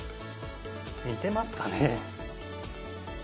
似てますかね？